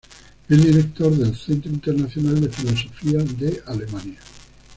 Es director del Centro Internacional de Filosofía de Alemania.